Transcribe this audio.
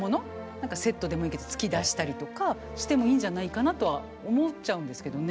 何かセットでもいいけど月出したりとかしてもいいんじゃないかなとは思っちゃうんですけどね。